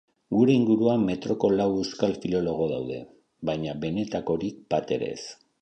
Gure inguruan metroko lau euskal filologo daude, baina benetakorik bat ere ez.